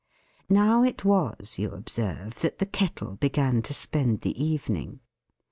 Now it was, you observe, that the Kettle began to spend the evening.